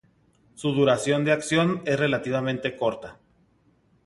Su duración de acción es relativamente corta.